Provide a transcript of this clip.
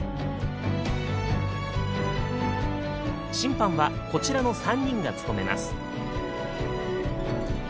審判はこちらの３人が務めます。